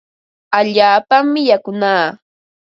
Allaapami yakunaa.